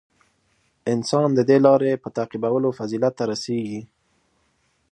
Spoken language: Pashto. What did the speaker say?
• انسان د دې د لارې په تعقیبولو فضیلت ته رسېږي.